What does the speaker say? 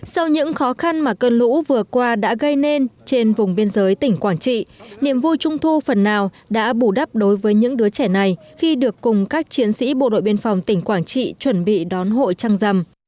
sau những khó khăn mà cơn lũ vừa qua đã gây nên trên vùng biên giới tỉnh quảng trị niềm vui trung thu phần nào đã bù đắp đối với những đứa trẻ này khi được cùng các chiến sĩ bộ đội biên phòng tỉnh quảng trị chuẩn bị đón hội trăng rằm